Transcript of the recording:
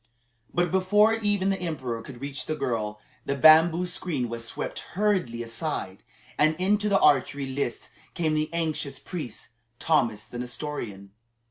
But before even the emperor could reach the girl, the bamboo screen was swept hurriedly aside, and into the archery lists came the anxious priest, Thomas the Nestorian.